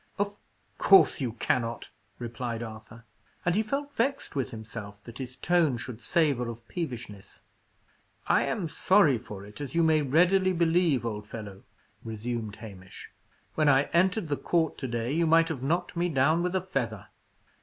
"Of course you cannot," replied Arthur: and he felt vexed with himself that his tone should savour of peevishness. "I am sorry for it, as you may readily believe, old fellow," resumed Hamish. "When I entered the court to day, you might have knocked me down with a feather."